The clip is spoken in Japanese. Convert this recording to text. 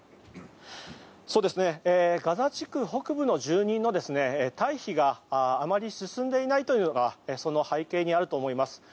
ガザ地区北部の住人の退避があまり進んでいないというのがその背景にあると思います。